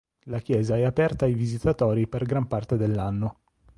La chiesa è aperta ai visitatori per gran parte dell'anno.